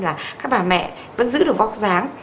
các bà mẹ vẫn giữ được vóc dáng